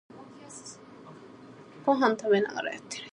The population grew slowly and included many European immigrants.